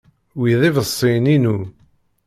Wi d iḍebsiyen-inu.